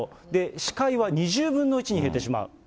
視界は２０分の１に減ってしまう。